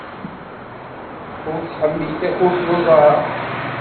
Ur tḥemmel takurt n uḍar.